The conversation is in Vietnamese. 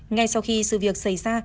ngay sau khi sự việc xảy ra